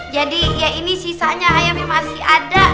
jadi ya ini sisanya ayam yang masih ada